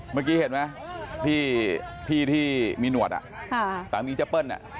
เมื่อกี้เห็นไหมพี่ที่มีหนวดสามีเจ๊เปิ้ล